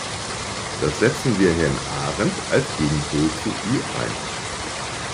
Dann setzen wir Herrn Ahrendt als Gegenpol zu ihr ein.